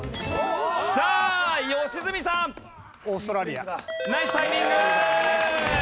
さあ良純さん。ナイスタイミング。